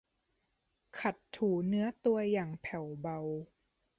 ขัดถูเนื้อตัวอย่างแผ่วเบา